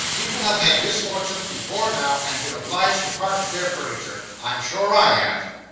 People have had misfortunes before now, and been obliged to part with their furniture. I'm sure I have!"